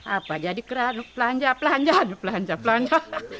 apa jadi pelanja pelanja pelanja pelanja